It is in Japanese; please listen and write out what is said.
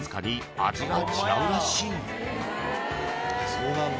そうなんだ。